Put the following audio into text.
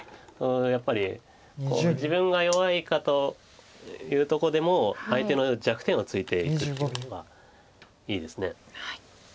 やっぱり自分が弱いかというとこでも相手の弱点をついていくいうってのはいいですね。